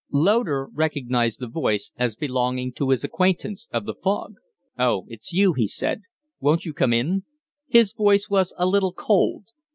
Loder recognized the voice as belonging to his acquaintance of the fog. "Oh, it's you!" he said. "Won't you come in?" His voice was a little cold.